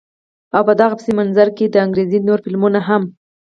او په دغه پس منظر کښې د انګرېزي نور فلمونه هم